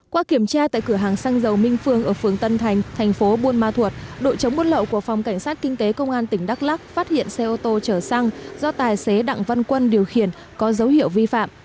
qua kiểm tra tại cửa hàng xăng dầu minh phương ở phường tân thành thành phố buôn ma thuột đội chống buôn lậu của phòng cảnh sát kinh tế công an tỉnh đắk lắc phát hiện xe ô tô chở xăng do tài xế đặng văn quân điều khiển có dấu hiệu vi phạm